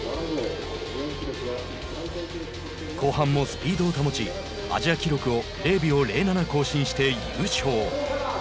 後半もスピードを保ちアジア記録を０秒０７更新して優勝。